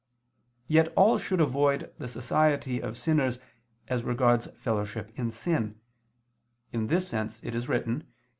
Yet all should avoid the society of sinners, as regards fellowship in sin; in this sense it is written (2 Cor.